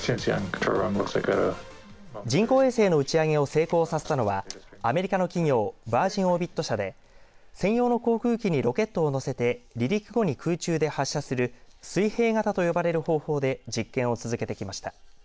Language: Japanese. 人工衛星の打ち上げを成功させたのはアメリカの企業ヴァージン・オービット社で専用の航空機にロケットを載せて離陸後に空中で発射する水平型と呼ばれる方法で実験を続けてきました。